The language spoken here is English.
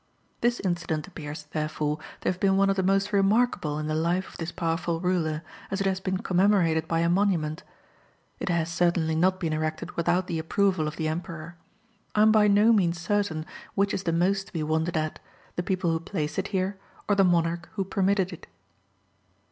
This incident appears, therefore, to have been one of the most remarkable in the life of this powerful ruler, as it has been commemorated by a monument. It has, certainly, not been erected without the approval of the emperor. I am by no means certain which is the most to be wondered at, the people who placed it here, or the monarch who permitted it.